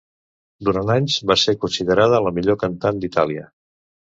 Durant anys va ser considerada la millor cantant d'Itàlia.